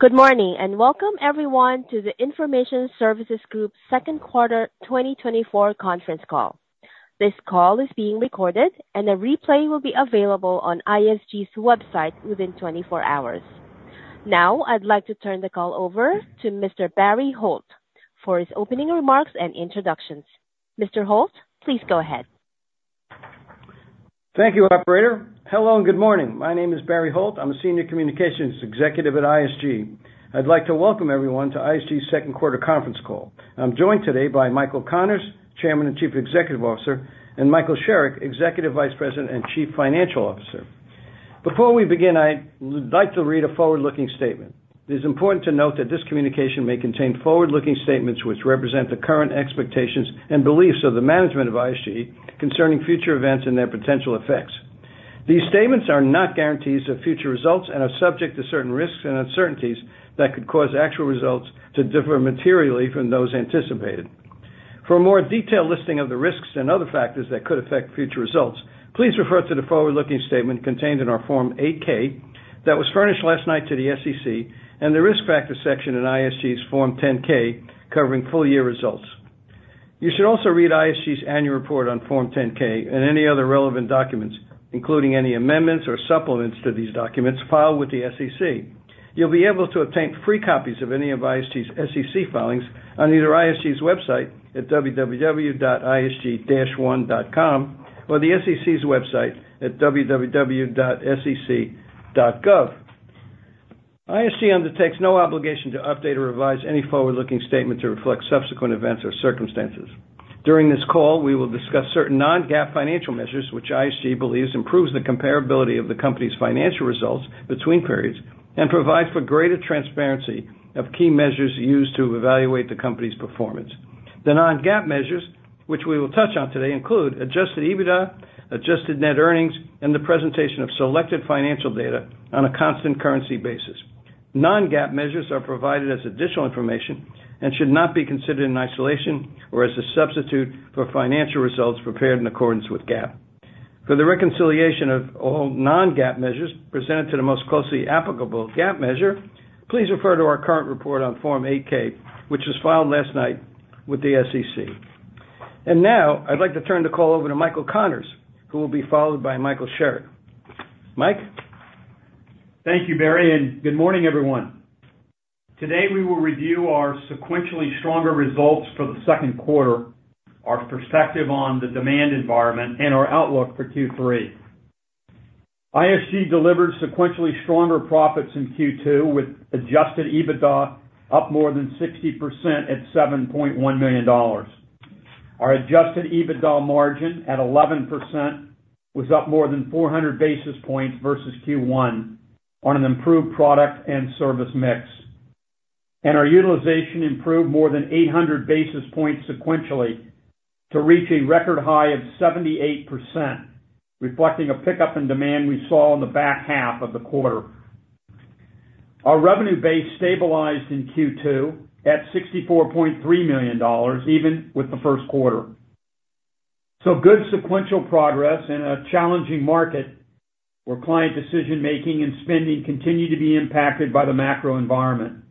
Good morning, and welcome everyone to the Information Services Group's second quarter 2024 conference call. This call is being recorded, and a replay will be available on ISG's website within 24 hours. Now, I'd like to turn the call over to Mr. Barry Holt for his opening remarks and introductions. Mr. Holt, please go ahead. Thank you, operator. Hello, and good morning. My name is Barry Holt. I'm a senior communications executive at ISG. I'd like to welcome everyone to ISG's second quarter conference call. I'm joined today by Michael Connors, Chairman and Chief Executive Officer, and Michael Sherrick, Executive Vice President and Chief Financial Officer. Before we begin, I'd like to read a forward-looking statement. It is important to note that this communication may contain forward-looking statements which represent the current expectations and beliefs of the management of ISG concerning future events and their potential effects. These statements are not guarantees of future results and are subject to certain risks and uncertainties that could cause actual results to differ materially from those anticipated. For a more detailed listing of the risks and other factors that could affect future results, please refer to the forward-looking statement contained in our Form 8-K that was furnished last night to the SEC and the Risk Factors section in ISG's Form 10-K, covering full year results. You should also read ISG's annual report on Form 10-K and any other relevant documents, including any amendments or supplements to these documents, filed with the SEC. You'll be able to obtain free copies of any of ISG's SEC filings on either ISG's website at www.isg-one.com, or the SEC's website at www.sec.gov. ISG undertakes no obligation to update or revise any forward-looking statement to reflect subsequent events or circumstances. During this call, we will discuss certain non-GAAP financial measures, which ISG believes improves the comparability of the company's financial results between periods and provides for greater transparency of key measures used to evaluate the company's performance. The non-GAAP measures, which we will touch on today, include adjusted EBITDA, adjusted net earnings, and the presentation of selected financial data on a constant currency basis. Non-GAAP measures are provided as additional information and should not be considered in isolation or as a substitute for financial results prepared in accordance with GAAP. For the reconciliation of all non-GAAP measures presented to the most closely applicable GAAP measure, please refer to our current report on Form 8-K, which was filed last night with the SEC. Now, I'd like to turn the call over to Michael Connors, who will be followed by Michael Sherrick. Mike? Thank you, Barry, and good morning, everyone. Today, we will review our sequentially stronger results for the second quarter, our perspective on the demand environment, and our outlook for Q3. ISG delivered sequentially stronger profits in Q2, with adjusted EBITDA up more than 60% at $7.1 million. Our adjusted EBITDA margin at 11% was up more than 400 basis points versus Q1 on an improved product and service mix. And our utilization improved more than 800 basis points sequentially to reach a record high of 78%, reflecting a pickup in demand we saw in the back half of the quarter. Our revenue base stabilized in Q2 at $64.3 million, even with the first quarter. Good sequential progress in a challenging market, where client decision-making and spending continue to be impacted by the macro environment.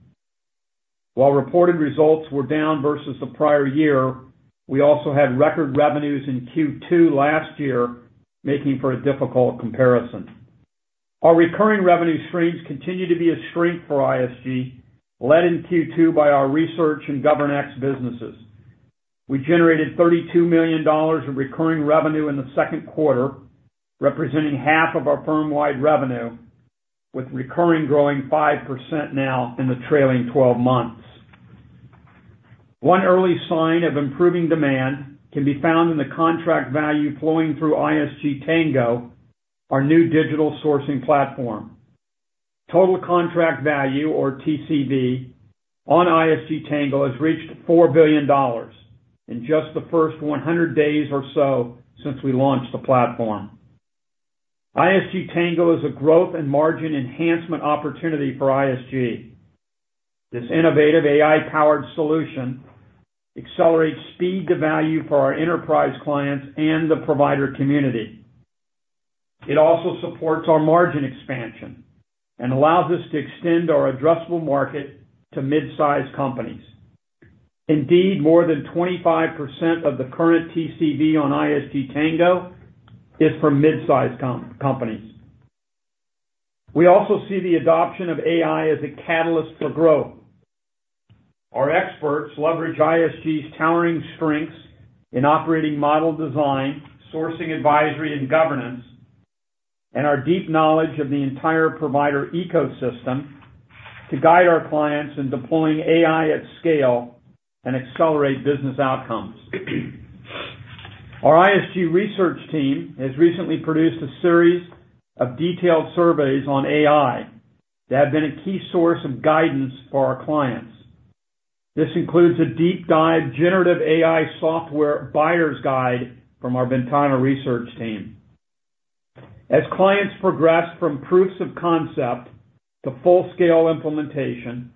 While reported results were down versus the prior year, we also had record revenues in Q2 last year, making for a difficult comparison. Our recurring revenue streams continue to be a strength for ISG, led in Q2 by our research and GovernX businesses. We generated $32 million of recurring revenue in the second quarter, representing half of our firm-wide revenue, with recurring growing 5% now in the trailing 12 months. One early sign of improving demand can be found in the contract value flowing through ISG Tango, our new digital sourcing platform. Total contract value, or TCV, on ISG Tango has reached $4 billion in just the first 100 days or so since we launched the platform. ISG Tango is a growth and margin enhancement opportunity for ISG. This innovative AI-powered solution accelerates speed to value for our enterprise clients and the provider community. It also supports our margin expansion and allows us to extend our addressable market to mid-sized companies. Indeed, more than 25% of the current TCV on ISG Tango is from mid-sized companies. We also see the adoption of AI as a catalyst for growth. Our experts leverage ISG's towering strengths in operating model design, sourcing, advisory, and governance, and our deep knowledge of the entire provider ecosystem to guide our clients in deploying AI at scale and accelerate business outcomes. Our ISG research team has recently produced a series of detailed surveys on AI that have been a key source of guidance for our clients. This includes a deep-dive generative AI software Buyer's Guide from our Ventana Research team. As clients progress from proofs of concept to full-scale implementation,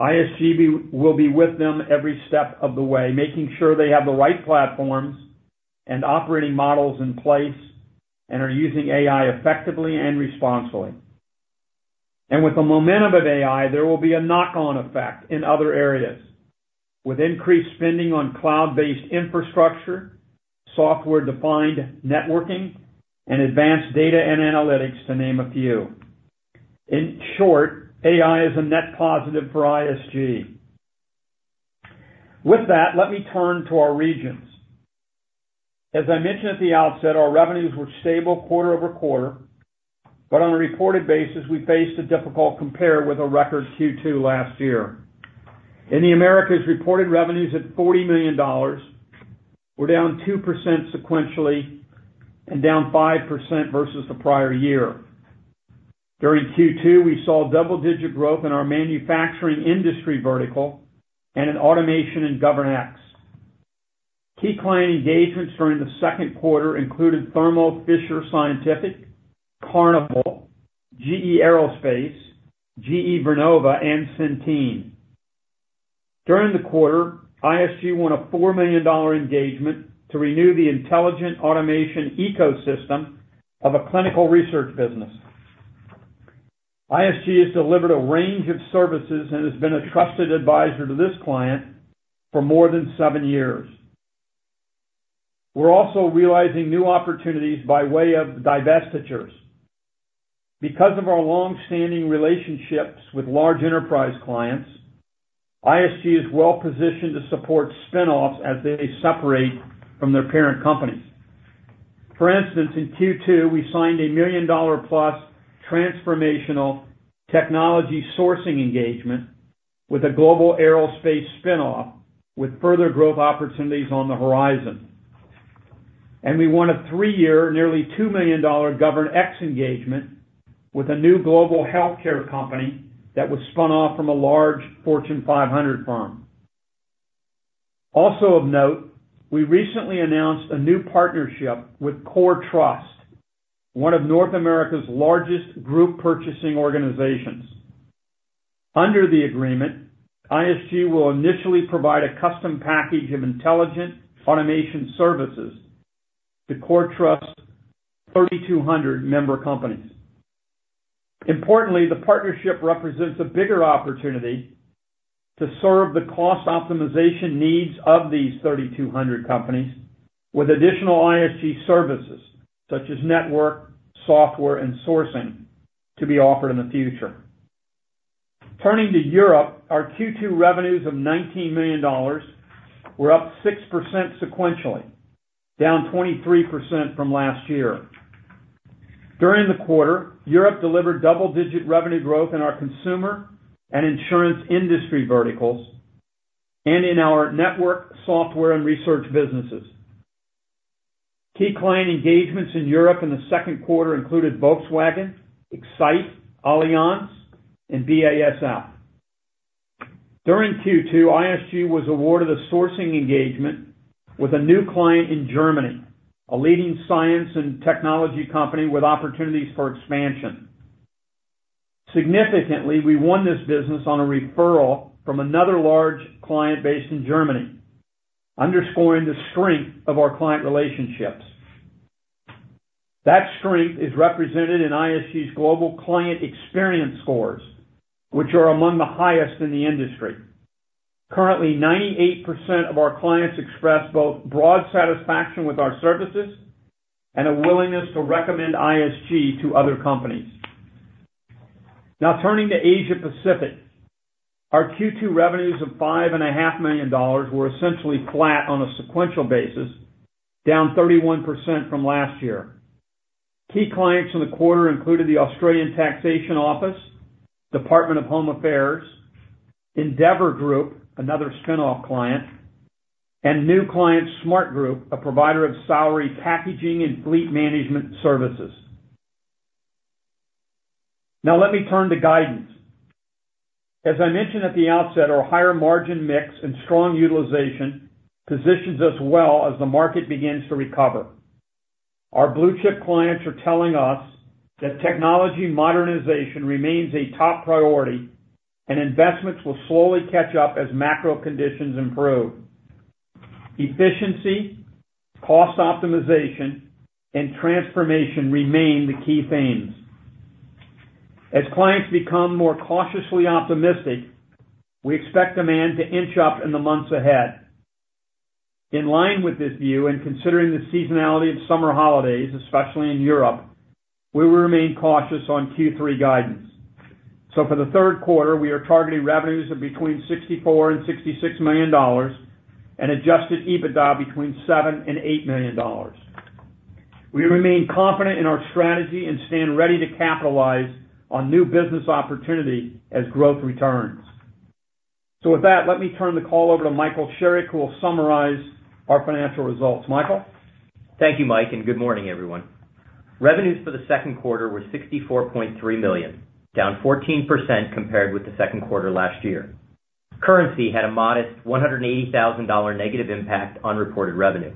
ISG will be with them every step of the way, making sure they have the right platforms-... And operating models in place and are using AI effectively and responsibly. With the momentum of AI, there will be a knock-on effect in other areas, with increased spending on cloud-based infrastructure, software-defined networking, and advanced data and analytics, to name a few. In short, AI is a net positive for ISG. With that, let me turn to our regions. As I mentioned at the outset, our revenues were stable quarter-over-quarter, but on a reported basis, we faced a difficult compare with a record Q2 last year. In the Americas, reported revenues at $40 million were down 2% sequentially and down 5% versus the prior year. During Q2, we saw double-digit growth in our manufacturing industry vertical and in automation and GovernX. Key client engagements during the second quarter included Thermo Fisher Scientific, Carnival, GE Aerospace, GE Vernova, and Centene. During the quarter, ISG won a $4 million engagement to renew the intelligent automation ecosystem of a clinical research business. ISG has delivered a range of services and has been a trusted advisor to this client for more than seven years. We're also realizing new opportunities by way of divestitures. Because of our long-standing relationships with large enterprise clients, ISG is well-positioned to support spin-offs as they separate from their parent companies. For instance, in Q2, we signed a $1 million-plus transformational technology sourcing engagement with a global aerospace spin-off, with further growth opportunities on the horizon. We won a three-year, nearly $2 million GovernX engagement with a new global healthcare company that was spun off from a large Fortune 500 firm. Also of note, we recently announced a new partnership with CoreTrust, one of North America's largest group purchasing organizations. Under the agreement, ISG will initially provide a custom package of intelligent automation services to CoreTrust's 3,200 member companies. Importantly, the partnership represents a bigger opportunity to serve the cost optimization needs of these 3,200 companies with additional ISG services, such as network, software, and sourcing, to be offered in the future. Turning to Europe, our Q2 revenues of $19 million were up 6% sequentially, down 23% from last year. During the quarter, Europe delivered double-digit revenue growth in our consumer and insurance industry verticals and in our network, software, and research businesses. Key client engagements in Europe in the second quarter included Volkswagen, Exyte, Allianz, and BASF. During Q2, ISG was awarded a sourcing engagement with a new client in Germany, a leading science and technology company with opportunities for expansion. Significantly, we won this business on a referral from another large client based in Germany, underscoring the strength of our client relationships. That strength is represented in ISG's global client experience scores, which are among the highest in the industry. Currently, 98% of our clients express both broad satisfaction with our services and a willingness to recommend ISG to other companies. Now, turning to Asia Pacific. Our Q2 revenues of $5.5 million were essentially flat on a sequential basis, down 31% from last year. Key clients in the quarter included the Australian Taxation Office, Department of Home Affairs, Endeavour Group, another spin-off client, and new client, Smartgroup, a provider of salary packaging and fleet management services. Now let me turn to guidance. As I mentioned at the outset, our higher-margin mix and strong utilization positions us well as the market begins to recover. Our blue-chip clients are telling us that technology modernization remains a top priority, and investments will slowly catch up as macro conditions improve. Efficiency, cost optimization, and transformation remain the key themes. As clients become more cautiously optimistic, we expect demand to inch up in the months ahead. In line with this view, and considering the seasonality of summer holidays, especially in Europe, we will remain cautious on Q3 guidance. So for the third quarter, we are targeting revenues of between $64 million and $66 million and Adjusted EBITDA between $7 million and $8 million. We remain confident in our strategy and stand ready to capitalize on new business opportunity as growth returns. So with that, let me turn the call over to Michael Sherrick, who will summarize our financial results. Michael? Thank you, Mike, and good morning, everyone. Revenues for the second quarter were $64.3 million, down 14% compared with the second quarter last year. Currency had a modest $180,000 negative impact on reported revenue.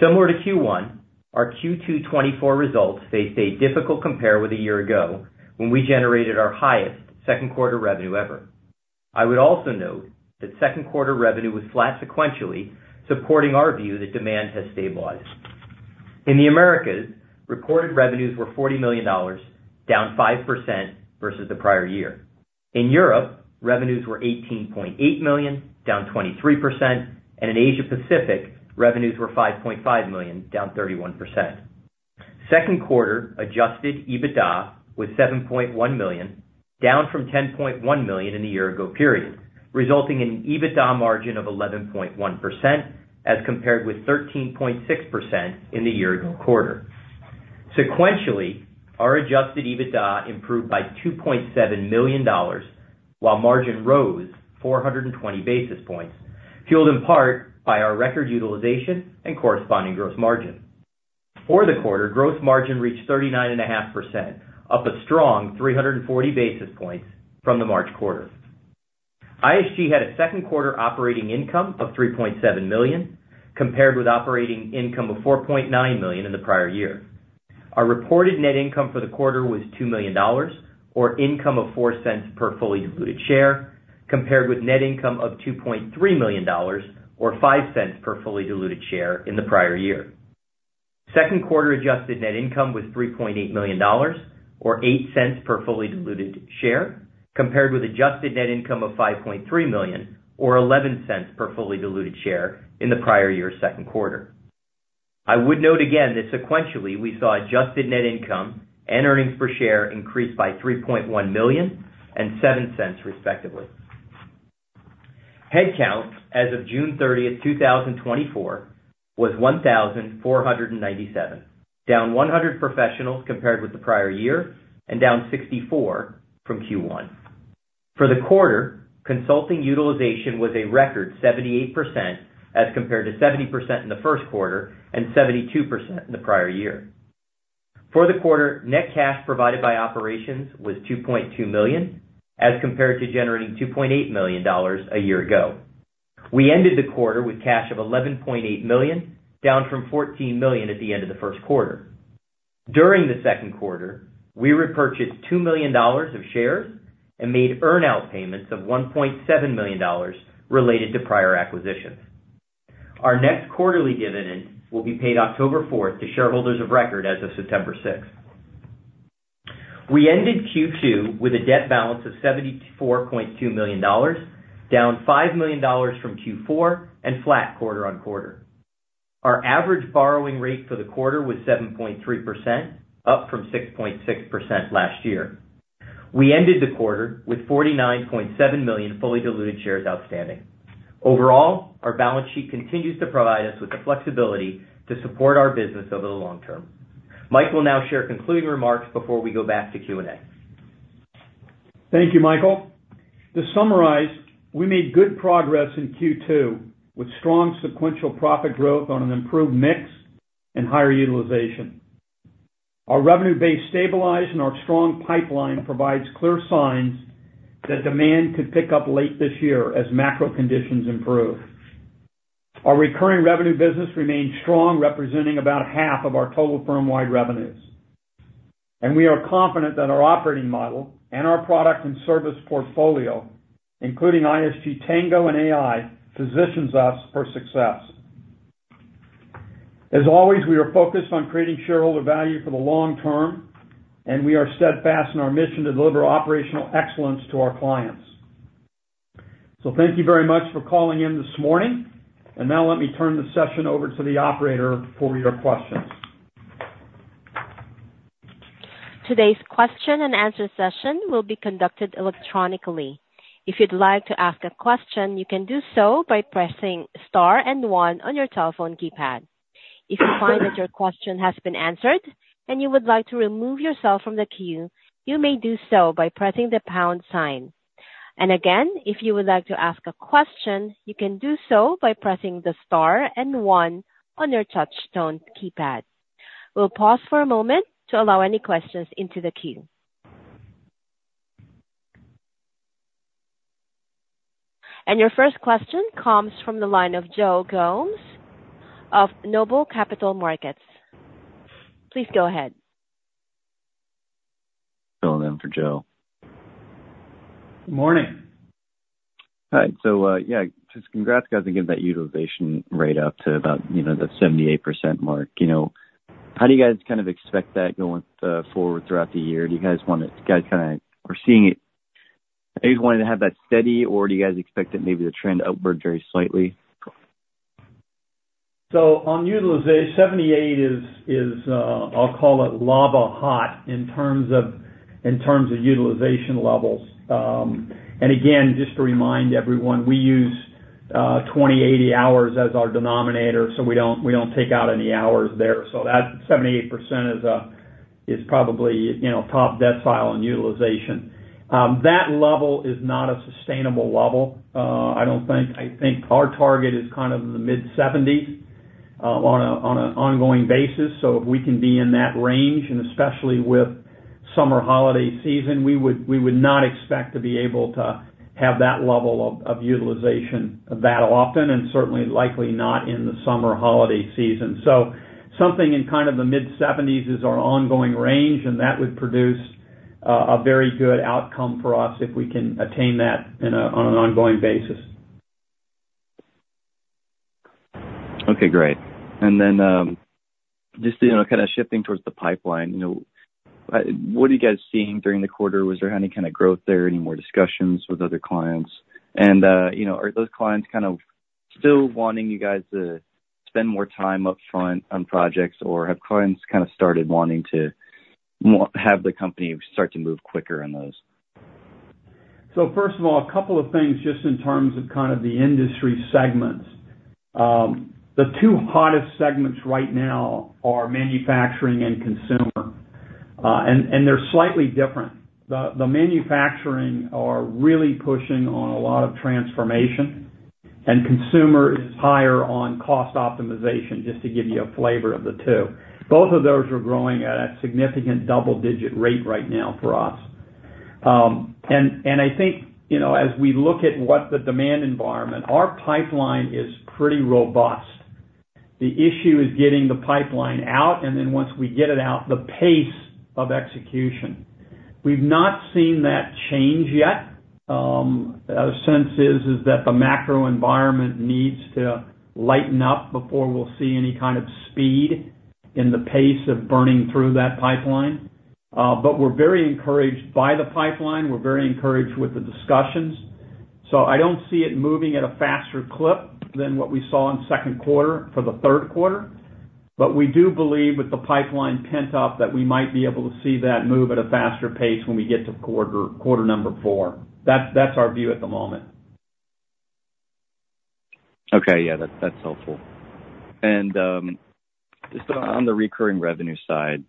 Similar to Q1, our Q2 2024 results faced a difficult compare with a year ago, when we generated our highest second quarter revenue ever.... I would also note that second quarter revenue was flat sequentially, supporting our view that demand has stabilized. In the Americas, recorded revenues were $40 million, down 5% versus the prior year. In Europe, revenues were $18.8 million, down 23%, and in Asia Pacific, revenues were $5.5 million, down 31%. Second quarter adjusted EBITDA was $7.1 million, down from $10.1 million in the year ago period, resulting in an EBITDA margin of 11.1%, as compared with 13.6% in the year ago quarter. Sequentially, our adjusted EBITDA improved by $2.7 million, while margin rose 420 basis points, fueled in part by our record utilization and corresponding gross margin. For the quarter, gross margin reached 39.5%, up a strong 340 basis points from the March quarter. ISG had a second quarter operating income of $3.7 million, compared with operating income of $4.9 million in the prior year. Our reported net income for the quarter was $2 million, or income of $0.04 per fully diluted share, compared with net income of $2.3 million, or $0.05 per fully diluted share in the prior year. Second quarter adjusted net income was $3.8 million, or $0.08 per fully diluted share, compared with adjusted net income of $5.3 million, or $0.11 per fully diluted share in the prior year's second quarter. I would note again that sequentially, we saw adjusted net income and earnings per share increase by $3.1 million and $0.07, respectively. Headcount as of June 30, 2024, was 1,497, down 100 professionals compared with the prior year and down 64 from Q1. For the quarter, consulting utilization was a record 78%, as compared to 70% in the first quarter and 72% in the prior year. For the quarter, net cash provided by operations was $2.2 million, as compared to generating $2.8 million a year ago. We ended the quarter with cash of $11.8 million, down from $14 million at the end of the first quarter. During the second quarter, we repurchased $2 million of shares and made earn-out payments of $1.7 million related to prior acquisitions. Our next quarterly dividend will be paid October 4 to shareholders of record as of September 6. We ended Q2 with a debt balance of $74.2 million, down $5 million from Q4 and flat quarter-over-quarter. Our average borrowing rate for the quarter was 7.3%, up from 6.6% last year. We ended the quarter with 49.7 million fully diluted shares outstanding. Overall, our balance sheet continues to provide us with the flexibility to support our business over the long term. Mike will now share concluding remarks before we go back to Q&A. Thank you, Michael. To summarize, we made good progress in Q2, with strong sequential profit growth on an improved mix and higher utilization. Our revenue base stabilized, and our strong pipeline provides clear signs that demand could pick up late this year as macro conditions improve. Our recurring revenue business remains strong, representing about half of our total firm-wide revenues. We are confident that our operating model and our product and service portfolio, including ISG Tango and AI, positions us for success. As always, we are focused on creating shareholder value for the long term, and we are steadfast in our mission to deliver operational excellence to our clients. Thank you very much for calling in this morning. Now let me turn the session over to the operator for your questions. Today's question-and-answer session will be conducted electronically. If you'd like to ask a question, you can do so by pressing Star and One on your telephone keypad. If you find that your question has been answered and you would like to remove yourself from the queue, you may do so by pressing the pound sign. And again, if you would like to ask a question, you can do so by pressing the Star and One on your touchtone keypad. We'll pause for a moment to allow any questions into the queue. Your first question comes from the line of Joe Gomes of Noble Capital Markets. Please go ahead. Calling in for Joe. Morning! Hi. So, yeah, just congrats, guys, and getting that utilization rate up to about, you know, the 78% mark. You know, how do you guys kind of expect that going forward throughout the year? Do you guys wanna -- guys kinda are seeing it... Are you wanting to have that steady, or do you guys expect that maybe the trend upward very slightly? So on utilization, 78 is I'll call it lava hot in terms of utilization levels. And again, just to remind everyone, we use 2,080 hours as our denominator, so we don't take out any hours there. So that 78% is probably, you know, top decile in utilization. That level is not a sustainable level, I don't think. I think our target is kind of in the mid-70s on an ongoing basis. So if we can be in that range, and especially with summer holiday season, we would not expect to be able to have that level of utilization that often, and certainly likely not in the summer holiday season. So something in kind of the mid-70s is our ongoing range, and that would produce a very good outcome for us if we can attain that on an ongoing basis.... Okay, great. And then, just, you know, kind of shifting towards the pipeline, you know, what are you guys seeing during the quarter? Was there any kind of growth there, any more discussions with other clients? And, you know, are those clients kind of still wanting you guys to spend more time upfront on projects, or have clients kind of started wanting to more, have the company start to move quicker on those? So first of all, a couple of things just in terms of kind of the industry segments. The two hottest segments right now are manufacturing and consumer, and they're slightly different. The manufacturing are really pushing on a lot of transformation, and consumer is higher on cost optimization, just to give you a flavor of the two. Both of those are growing at a significant double-digit rate right now for us. And I think, you know, as we look at what the demand environment, our pipeline is pretty robust. The issue is getting the pipeline out, and then once we get it out, the pace of execution. We've not seen that change yet. Our sense is that the macro environment needs to lighten up before we'll see any kind of speed in the pace of burning through that pipeline. But we're very encouraged by the pipeline. We're very encouraged with the discussions. So I don't see it moving at a faster clip than what we saw in second quarter for the third quarter, but we do believe with the pipeline pent up, that we might be able to see that move at a faster pace when we get to quarter, quarter number four. That's our view at the moment. Okay. Yeah, that's, that's helpful. And, just on the recurring revenue side,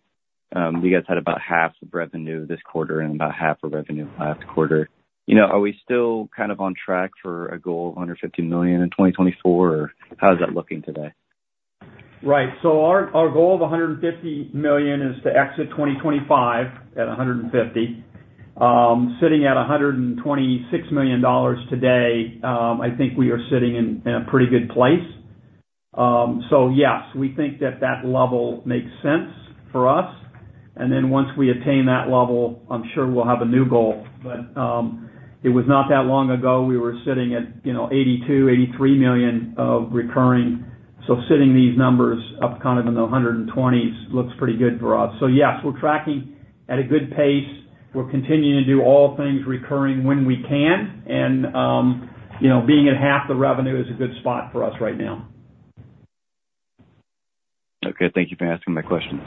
you guys had about half of revenue this quarter and about half of revenue last quarter. You know, are we still kind of on track for a goal of under $50 million in 2024, or how is that looking today? Right. So our goal of $150 million is to exit 2025 at $150 million. Sitting at $126 million today, I think we are sitting in a pretty good place. So yes, we think that that level makes sense for us, and then once we attain that level, I'm sure we'll have a new goal. But it was not that long ago, we were sitting at, you know, $82-$83 million of recurring. So sitting these numbers up kind of in the 120s looks pretty good for us. So yes, we're tracking at a good pace. We're continuing to do all things recurring when we can, and you know, being at half the revenue is a good spot for us right now. Okay. Thank you for asking my questions.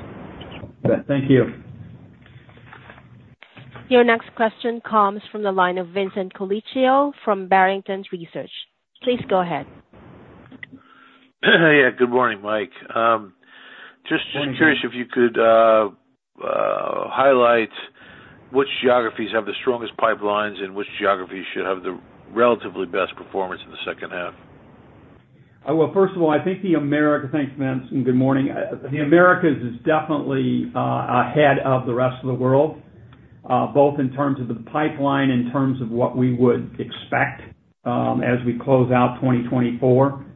Thank you. Your next question comes from the line of Vincent Colicchio from Barrington Research. Please go ahead. Yeah, good morning, Mike. Just- Mm-hmm. I'm curious if you could highlight which geographies have the strongest pipelines and which geographies should have the relatively best performance in the second half. Well, first of all, I think the Americas... Thanks, Vince, and good morning. The Americas is definitely ahead of the rest of the world, both in terms of the pipeline, in terms of what we would expect, as we close out 2024.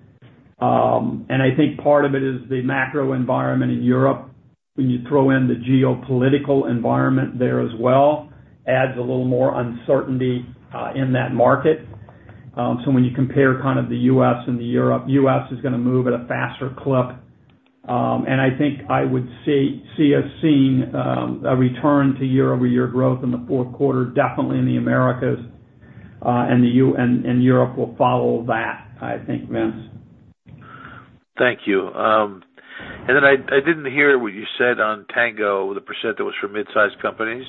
And I think part of it is the macro environment in Europe. When you throw in the geopolitical environment there as well, adds a little more uncertainty in that market. So when you compare kind of the U.S. and the Europe, U.S. is gonna move at a faster clip. And I think I would see, see us seeing, a return to year-over-year growth in the fourth quarter, definitely in the Americas, and the U.S. and Europe will follow that, I think, Vince. Thank you. And then I didn't hear what you said on Tango, the percent that was for mid-sized companies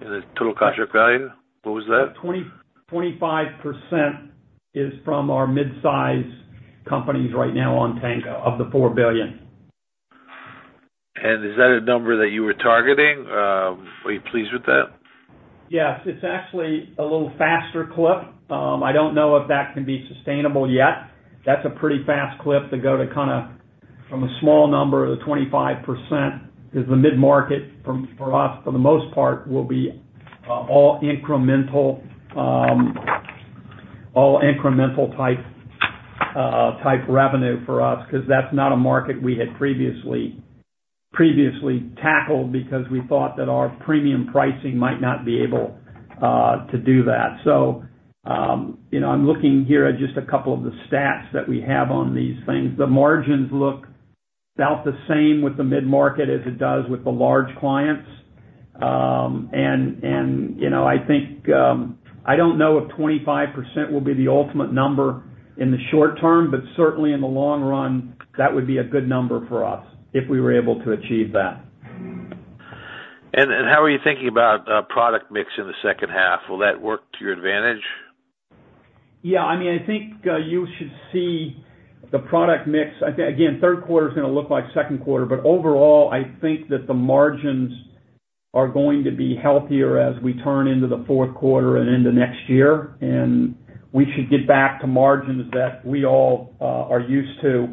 and the total contract value. What was that? 25% is from our mid-size companies right now on Tango, of the $4 billion. And is that a number that you were targeting? Are you pleased with that? Yes, it's actually a little faster clip. I don't know if that can be sustainable yet. That's a pretty fast clip to go to kinda from a small number to 25%, is the mid-market for us, for the most part, will be all incremental type revenue for us, 'cause that's not a market we had previously tackled because we thought that our premium pricing might not be able to do that. So, you know, I'm looking here at just a couple of the stats that we have on these things. The margins look about the same with the mid-market as it does with the large clients. You know, I think, I don't know if 25% will be the ultimate number in the short term, but certainly in the long run, that would be a good number for us, if we were able to achieve that. And how are you thinking about product mix in the second half? Will that work to your advantage? Yeah, I mean, I think, you should see the product mix. Again, third quarter is gonna look like second quarter, but overall, I think that the margins are going to be healthier as we turn into the fourth quarter and into next year, and we should get back to margins that we all, are used to.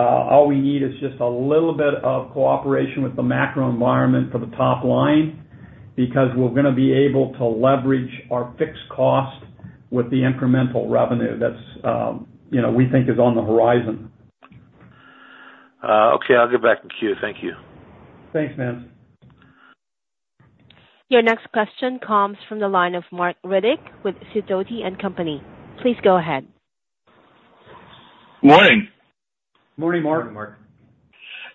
All we need is just a little bit of cooperation with the macro environment for the top line, because we're gonna be able to leverage our fixed cost with the incremental revenue that's, you know, we think is on the horizon. Okay, I'll get back in queue. Thank you. Thanks, Vince. Your next question comes from the line of Marc Riddick with Sidoti & Company. Please go ahead. Morning! Morning, Marc.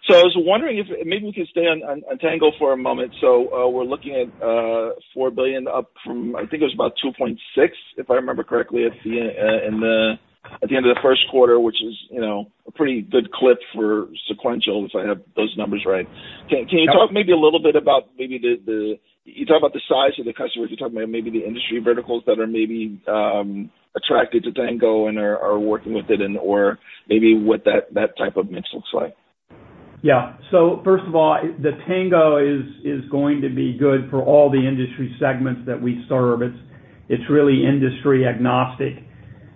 So I was wondering if maybe we could stay on Tango for a moment. So, we're looking at $4 billion up from, I think it was about $2.6 billion, if I remember correctly, at the end of the first quarter, which is, you know, a pretty good clip for sequential, if I have those numbers right. Can you talk maybe a little bit about maybe the size of the customers? You talk about maybe the industry verticals that are maybe attracted to Tango and are working with it and, or maybe what that type of mix looks like? Yeah. So first of all, the Tango is going to be good for all the industry segments that we serve. It's really industry-agnostic.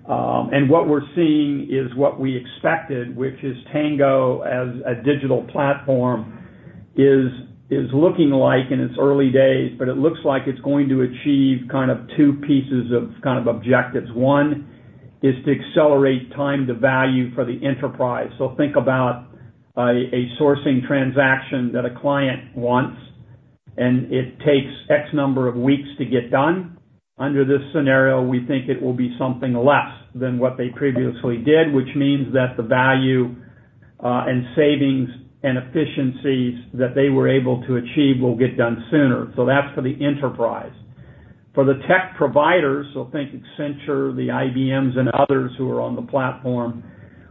And what we're seeing is what we expected, which is Tango as a digital platform is looking like, in its early days, but it looks like it's going to achieve kind of two pieces of kind of objectives. One is to accelerate time-to-value for the enterprise. So think about a sourcing transaction that a client wants, and it takes X number of weeks to get done. Under this scenario, we think it will be something less than what they previously did, which means that the value and savings and efficiencies that they were able to achieve will get done sooner. So that's for the enterprise. For the tech providers, so think Accenture, the IBMs and others who are on the platform,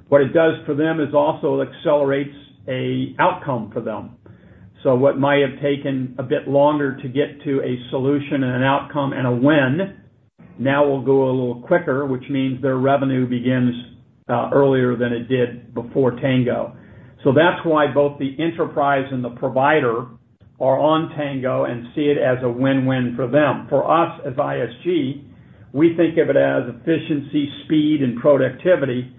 what it does for them is also accelerates a outcome for them. So what might have taken a bit longer to get to a solution and an outcome and a win, now will go a little quicker, which means their revenue begins earlier than it did before Tango. So that's why both the enterprise and the provider are on Tango and see it as a win-win for them. For us, as ISG, we think of it as efficiency, speed, and productivity,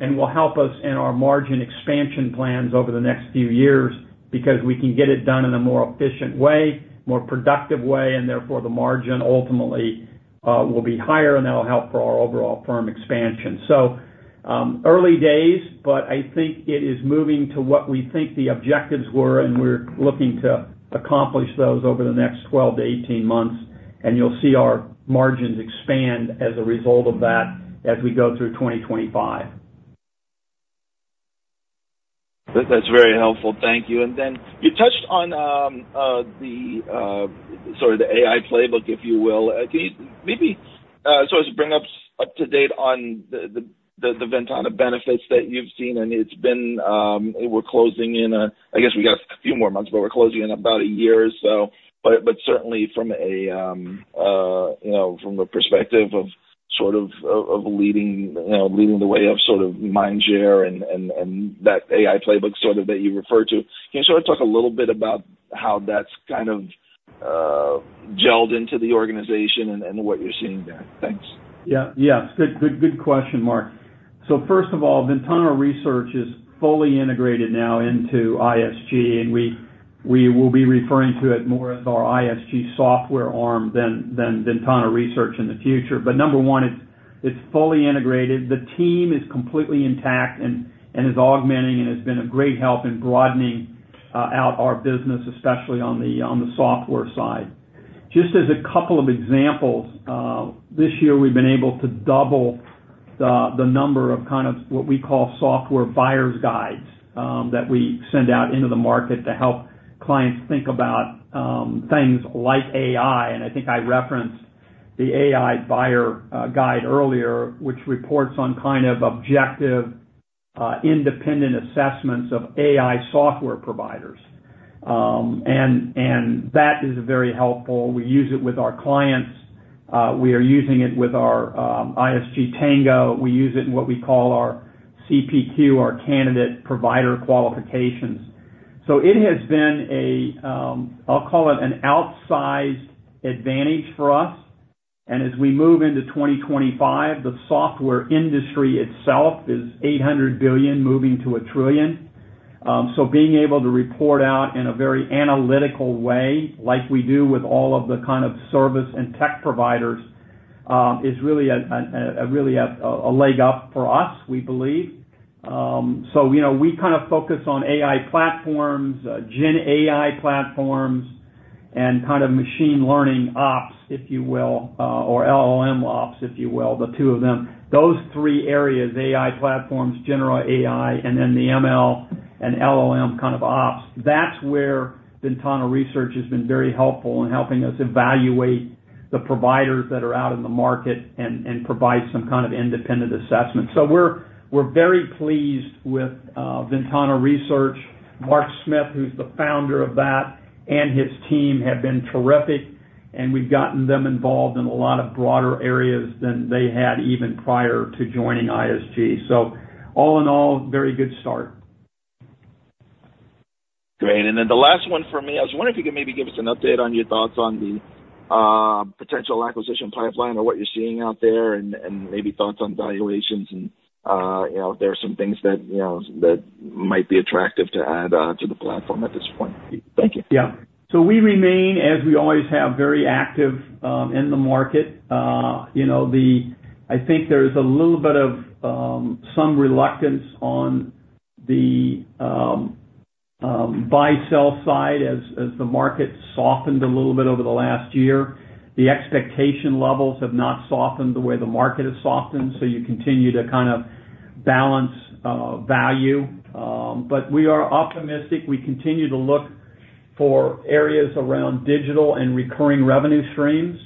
and will help us in our margin expansion plans over the next few years, because we can get it done in a more efficient way, more productive way, and therefore, the margin ultimately will be higher, and that'll help for our overall firm expansion. Early days, but I think it is moving to what we think the objectives were, and we're looking to accomplish those over the next 12-18 months, and you'll see our margins expand as a result of that as we go through 2025. That's very helpful. Thank you. And then you touched on sort of the AI playbook, if you will. Can you maybe sort of bring us up to date on the Ventana benefits that you've seen? And it's been, we're closing in, I guess we got a few more months, but we're closing in about a year or so. But certainly from a you know, from the perspective of sort of leading, you know, leading the way of sort of mind share and that AI playbook sort of that you referred to, can you sort of talk a little bit about how that's kind of gelled into the organization and what you're seeing there? Thanks. Yeah, yeah. Good, good, good question, Marc. So first of all, Ventana Research is fully integrated now into ISG, and we will be referring to it more as our ISG software arm than Ventana Research in the future. But number one, it's fully integrated. The team is completely intact and is augmenting and has been a great help in broadening out our business, especially on the software side. Just as a couple of examples, this year, we've been able to double the number of kind of what we call software Buyer's Guides that we send out into the market to help clients think about things like AI. And I think I referenced the AI buyer guide earlier, which reports on kind of objective independent assessments of AI software providers. And that is very helpful. We use it with our clients. We are using it with our ISG Tango. We use it in what we call our CPQ, our Candidate Provider Qualifications. So it has been a, I'll call it an outsized advantage for us. And as we move into 2025, the software industry itself is $800 billion, moving to $1 trillion. So being able to report out in a very analytical way, like we do with all of the kind of service and tech providers, is really a leg up for us, we believe. So, you know, we kind of focus on AI platforms, GenAI platforms, and kind of Machine Learning Ops, if you will, or LLMOps, if you will, the two of them. Those three areas, AI platforms, general AI, and then the ML and LLM kind of ops, that's where Ventana Research has been very helpful in helping us evaluate the providers that are out in the market and provide some kind of independent assessment. So we're very pleased with Ventana Research. Marc Smith, who's the founder of that, and his team have been terrific, and we've gotten them involved in a lot of broader areas than they had even prior to joining ISG. So all in all, very good start. Great. And then the last one for me, I was wondering if you could maybe give us an update on your thoughts on the potential acquisition pipeline or what you're seeing out there and, and maybe thoughts on valuations and, you know, if there are some things that, you know, that might be attractive to add to the platform at this point. Thank you. Yeah. So we remain, as we always have, very active in the market. You know, I think there's a little bit of some reluctance on the buy-sell side as the market softened a little bit over the last year. The expectation levels have not softened the way the market has softened, so you continue to kind of balance value. But we are optimistic. We continue to look for areas around digital and recurring revenue streams.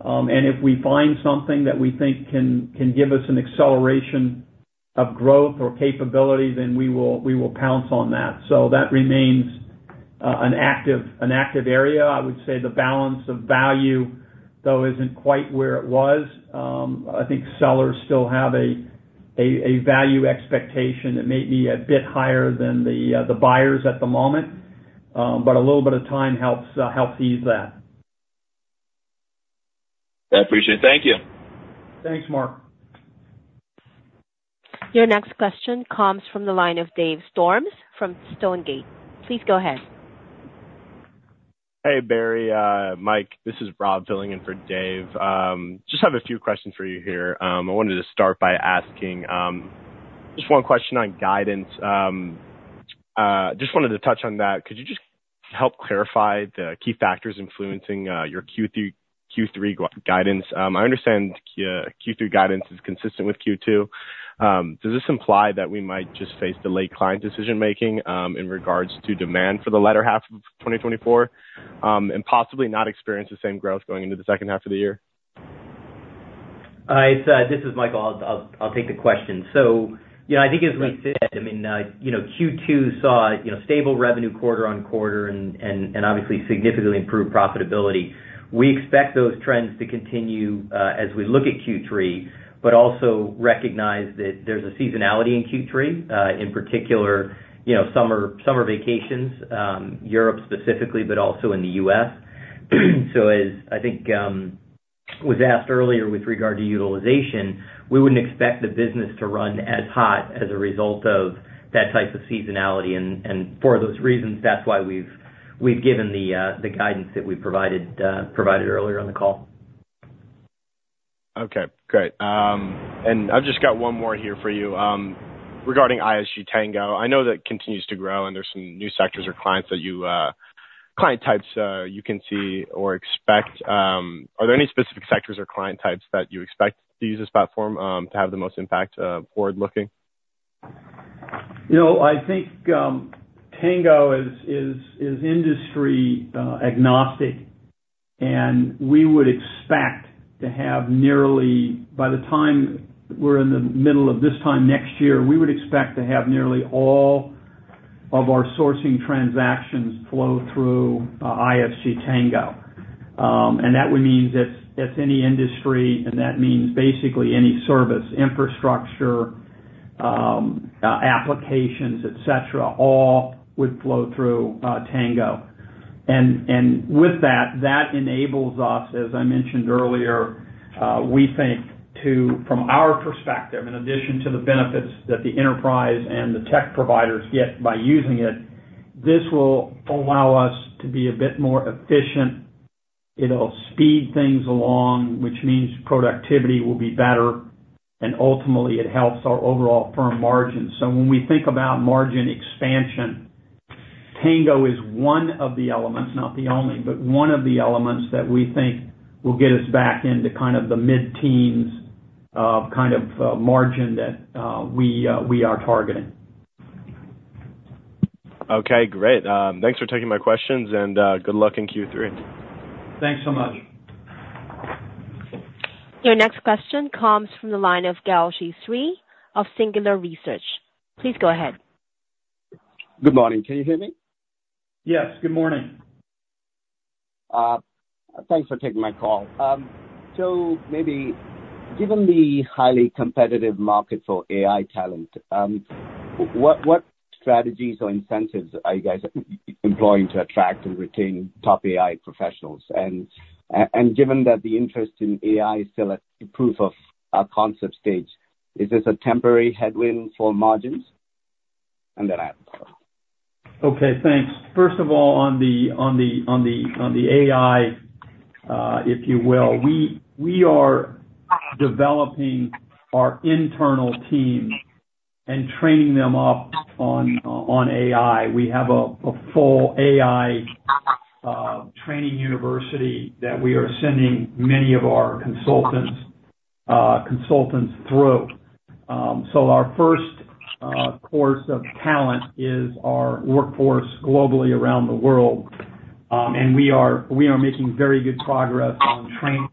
And if we find something that we think can give us an acceleration of growth or capability, then we will pounce on that. So that remains an active area. I would say the balance of value, though, isn't quite where it was. I think sellers still have a value expectation that may be a bit higher than the buyers at the moment, but a little bit of time helps ease that. I appreciate it. Thank you. Thanks, Marc. Your next question comes from the line of Dave Storms from Stonegate. Please go ahead. Hey, Barry, Mike, this is Rob filling in for Dave. Just have a few questions for you here. I wanted to start by asking just one question on guidance. Just wanted to touch on that. Could you just help clarify the key factors influencing your Q3 guidance? I understand Q3 guidance is consistent with Q2. Does this imply that we might just face delayed client decision-making in regards to demand for the latter half of 2024 and possibly not experience the same growth going into the second half of the year? This is Michael. I'll take the question. So, you know, I think as we said, I mean, you know, Q2 saw, you know, stable revenue quarter on quarter and obviously significantly improved profitability. We expect those trends to continue as we look at Q3, but also recognize that there's a seasonality in Q3, in particular, you know, summer vacations, Europe specifically, but also in the U.S. So as I think was asked earlier with regard to utilization, we wouldn't expect the business to run as hot as a result of that type of seasonality. And for those reasons, that's why we've given the guidance that we provided earlier on the call. Okay, great. And I've just got one more here for you, regarding ISG Tango. I know that continues to grow, and there's some new sectors or clients that you, client types, you can see or expect. Are there any specific sectors or client types that you expect to use this platform to have the most impact, forward looking? You know, I think, Tango is industry-agnostic, and we would expect to have nearly... By the time we're in the middle of this time next year, we would expect to have nearly all of our sourcing transactions flow through ISG Tango. And that would mean that that's any industry, and that means basically any service, infrastructure, applications, et cetera, all would flow through Tango. And with that, that enables us, as I mentioned earlier, we think to, from our perspective, in addition to the benefits that the enterprise and the tech providers get by using it, this will allow us to be a bit more efficient. It'll speed things along, which means productivity will be better, and ultimately it helps our overall firm margins. When we think about margin expansion, Tango is one of the elements, not the only, but one of the elements that we think will get us back into kind of the mid-teens, kind of, margin that we are targeting. Okay, great. Thanks for taking my questions, and good luck in Q3. Thanks so much. Your next question comes from the line of Ghosile Sri of Singular Research. Please go ahead. Good morning. Can you hear me? Yes, good morning. Thanks for taking my call. So maybe given the highly competitive market for AI talent, what strategies or incentives are you guys employing to attract and retain top AI professionals? And given that the interest in AI is still at the proof-of-a-concept stage, is this a temporary headwind for margins? And then I'll... Okay, thanks. First of all, on the AI, if you will, we are developing our internal team and training them up on AI. We have a full AI Training University that we are sending many of our consultants through. So our first course of talent is our workforce globally around the world. And we are making very good progress on training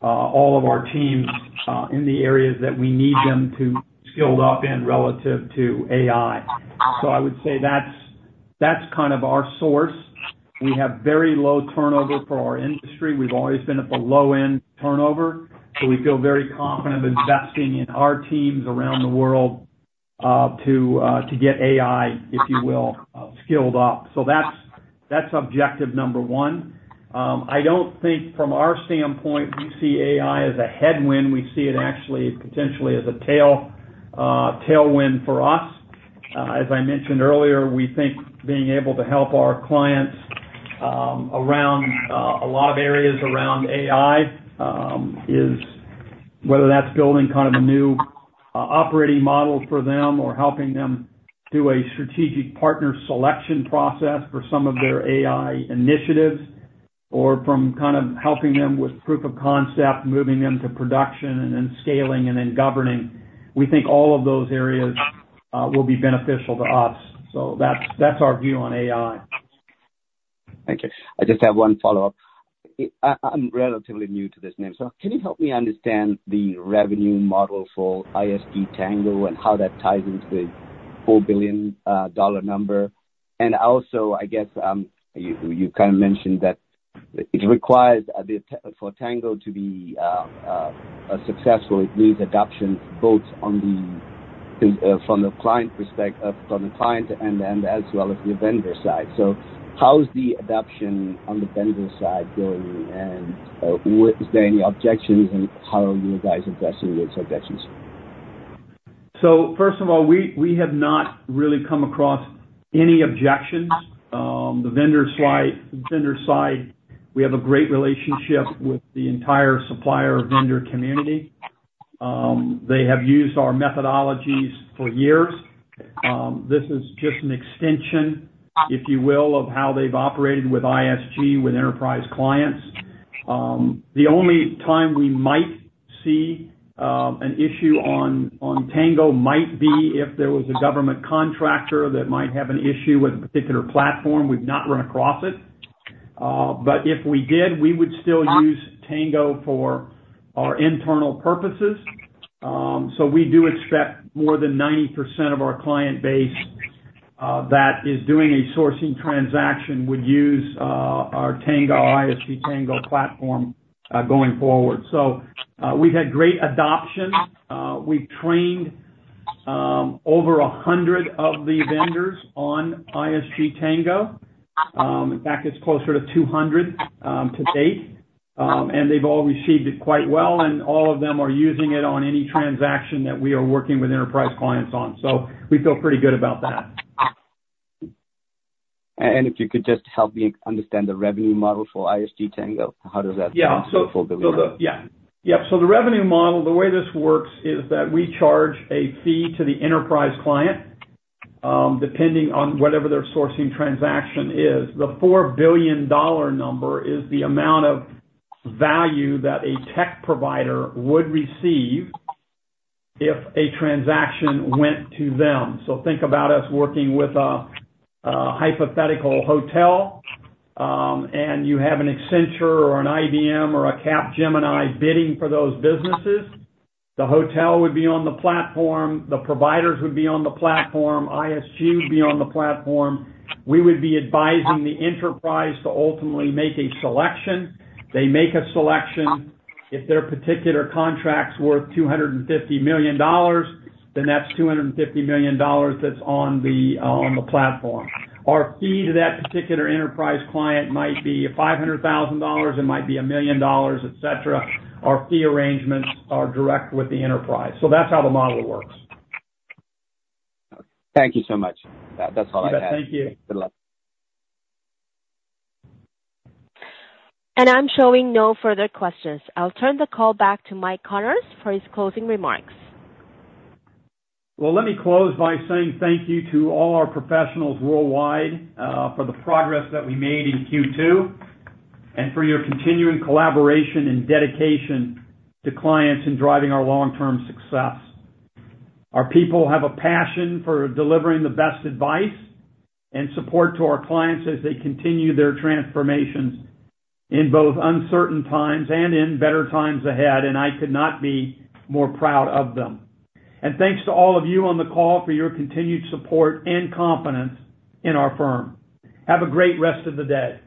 all of our teams in the areas that we need them to skill up in relative to AI. So I would say that's kind of our source. We have very low turnover for our industry. We've always been at the low-end turnover, so we feel very confident investing in our teams around the world to get AI, if you will, skilled up. So that's, that's objective number one. I don't think from our standpoint, we see AI as a headwind. We see it actually potentially as a tail, tailwind for us. As I mentioned earlier, we think being able to help our clients around a lot of areas around AI is whether that's building kind of a new operating model for them or helping them do a strategic partner selection process for some of their AI initiatives, or from kind of helping them with proof-of-concept, moving them to production and then scaling and then governing. We think all of those areas will be beneficial to us. So that's, that's our view on AI. Thank you. I just have one follow-up. I'm relatively new to this name, so can you help me understand the revenue model for ISG Tango and how that ties into the $4 billion number? And also, I guess, you kind of mentioned that it requires a bit for Tango to be successful. It needs adoption both from the client perspective, from the client and as well as the vendor side. So how's the adoption on the vendor side going? And, is there any objections, and how are you guys addressing those objections? So first of all, we have not really come across any objections. The vendor side, we have a great relationship with the entire supplier vendor community. They have used our methodologies for years. This is just an extension, if you will, of how they've operated with ISG, with enterprise clients. The only time we might see an issue on Tango might be if there was a government contractor that might have an issue with a particular platform. We've not run across it. But if we did, we would still use Tango for our internal purposes. So we do expect more than 90% of our client base that is doing a sourcing transaction would use our Tango, ISG Tango platform going forward. So we've had great adoption. We've trained over 100 of the vendors on ISG Tango. In fact, it's closer to 200 to date. They've all received it quite well, and all of them are using it on any transaction that we are working with enterprise clients on. We feel pretty good about that. If you could just help me understand the revenue model for ISG Tango, how does that- Yeah. work for the billion? Yeah. Yeah, so the revenue model, the way this works is that we charge a fee to the enterprise client, depending on whatever their sourcing transaction is. The $4 billion number is the amount of value that a tech provider would receive if a transaction went to them. So think about us working with a hypothetical hotel, and you have an Accenture or an IBM or a Capgemini bidding for those businesses. The hotel would be on the platform, the providers would be on the platform, ISG would be on the platform. We would be advising the enterprise to ultimately make a selection. They make a selection. If their particular contract's worth $250 million, then that's $250 million that's on the platform. Our fee to that particular enterprise client might be $500,000, it might be $1 million, et cetera. Our fee arrangements are direct with the enterprise. So that's how the model works. Thank you so much. That's all I had. Yeah. Thank you. Good luck. I'm showing no further questions. I'll turn the call back to Mike Connors for his closing remarks. Well, let me close by saying thank you to all our professionals worldwide, for the progress that we made in Q2, and for your continuing collaboration and dedication to clients in driving our long-term success. Our people have a passion for delivering the best advice and support to our clients as they continue their transformations in both uncertain times and in better times ahead, and I could not be more proud of them. Thanks to all of you on the call for your continued support and confidence in our firm. Have a great rest of the day.